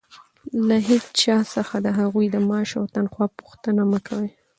له هېچا څخه د هغوى د معاش او تنخوا پوښتنه مه کوئ!